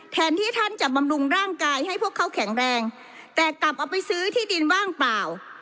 แทนที่ท่านจะบำรุงร่างกายให้พวกเขาแข็งแรงแต่กลับเอาไปซื้อที่ดินว่างเปล่า